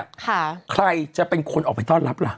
ใครจะเป็นคนออกไปต้อนรับล่ะ